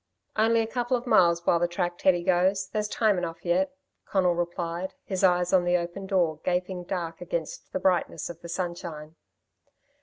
"It's only a couple of miles, by the track Teddy goes. There's time enough yet," Conal replied, his eyes on the open door, gaping dark against the brightness of the sunshine.